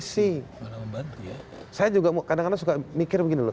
saya juga kadang kadang suka mikir begini loh